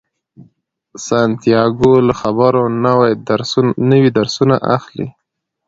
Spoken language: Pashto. سانتیاګو له خبرو نوي درسونه اخلي.